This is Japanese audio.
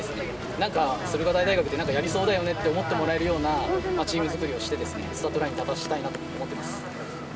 なんか駿河台大学ってなんかやりそうだよねって思ってもらえるようなチーム作りをして、スタートラインに立たせたいなと思っております。